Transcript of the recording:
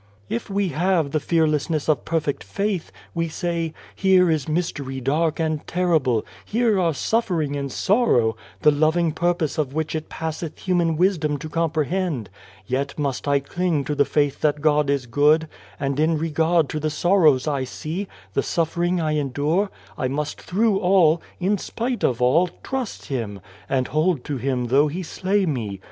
If we have the fearlessness of perfect faith, we say :' Here is mystery dark and terrible ! here are suffering and sorrow, the loving pur pose of which it passeth human wisdom to comprehend. Yet must I cling to the faith that God is good ; and in regard to the sorrows I see, the suffering I endure, I must through all in spite of all trust Him, and hold to Him though He slay me.'